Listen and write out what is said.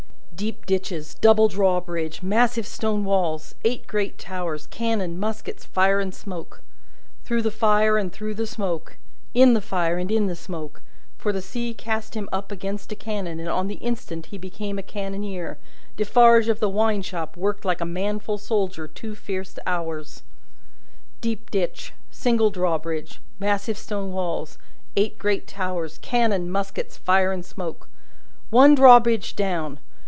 Deep ditches, double drawbridge, massive stone walls, eight great towers, cannon, muskets, fire and smoke. Through the fire and through the smoke in the fire and in the smoke, for the sea cast him up against a cannon, and on the instant he became a cannonier Defarge of the wine shop worked like a manful soldier, Two fierce hours. Deep ditch, single drawbridge, massive stone walls, eight great towers, cannon, muskets, fire and smoke. One drawbridge down!